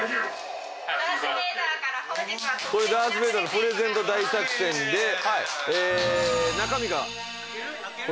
これダース・ベイダーのプレゼント大作戦で中身がこちらですね